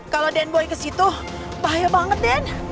kalau den boy kesitu bahaya banget den